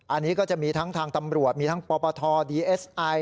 อันนี้ก็จะมีทั้งทางตำรวจมีทั้งปปทดีเอสไอ